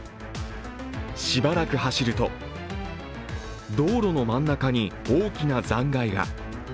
しばらく走ると、道路の真ん中に大きな残骸が。